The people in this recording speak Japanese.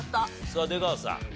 さあ出川さん。